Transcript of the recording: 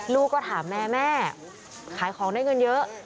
ลูกก็ถามแม่แม่ขายของได้เงินเยอะ